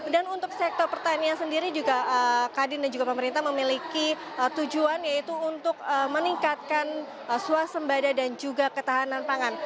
dan untuk sektor pertanian sendiri juga kadin dan juga pemerintah memiliki tujuan yaitu untuk meningkatkan suas sembada dan juga ketahanan pangan